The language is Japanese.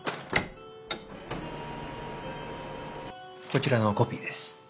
こちらのコピーです。